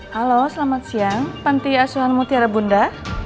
halo selamat siang panti asuhan mutiara bunda